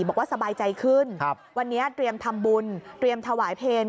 บอกว่าสบายใจขึ้นวันนี้เตรียมทำบุญเตรียมถวายเพลง